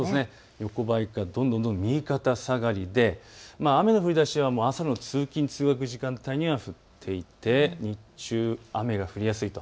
横ばいからどんどんどんどん右肩下がりで雨の降りだしは朝の通勤、通学の時間帯には降っていて日中、雨が降りやすいと。